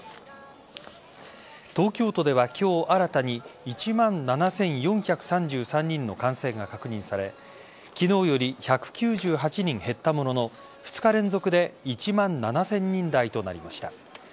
東京都では今日新たに１万７４３３人の感染が確認され昨日より１９８人減ったものの２日連続で１万７０００人台となりました。